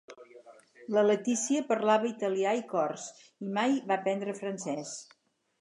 La Letizia parlava italià i cors, i mai va aprendre francès.